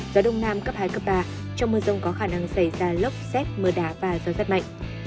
gió đông nam cấp hai cấp ba trong mưa rông có khả năng xảy ra lốc xét mưa đá và gió rất mạnh